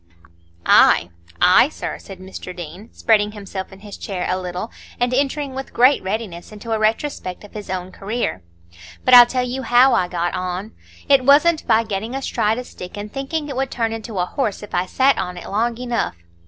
"Ay, ay, sir," said Mr Deane, spreading himself in his chair a little, and entering with great readiness into a retrospect of his own career. "But I'll tell you how I got on. It wasn't by getting astride a stick and thinking it would turn into a horse if I sat on it long enough.